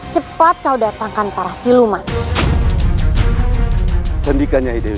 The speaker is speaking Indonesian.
cepat kau datangkan para siluman sendikan ya idew